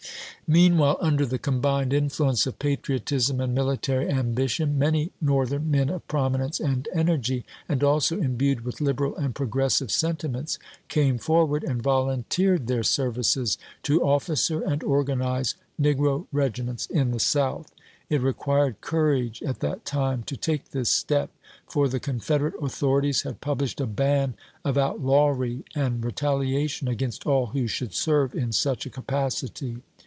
Meanwhile, under the combined influence of patriotism and military ambition, many Northern men of prominence and energy, and also imbued with liberal and progressive sentiments, came for ward and volunteered their services to officer and organize negro regiments in the South. It required courage at that time to take this step, for the Con federate authorities had published a ban of outlawry and retaliation against all who should serve in such a capacity.